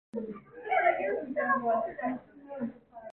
시공의 폭풍이 정말 최고라는 것 정도는 나도 알고 있단말이야.